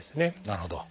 なるほど。